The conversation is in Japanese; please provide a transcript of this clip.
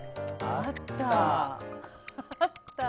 あった。